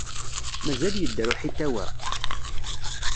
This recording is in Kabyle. Mazal yedder uḥitaw-a?